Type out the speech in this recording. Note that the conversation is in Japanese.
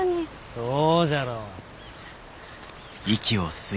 そうじゃろ。